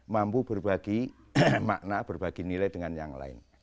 mampu berbagi makna berbagi nilai dengan yang lain